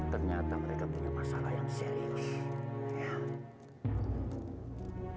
ternyata mereka punya masalah yang serius